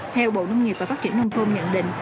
theo bộ nông nghiệp và phát triển nông thôn nhận định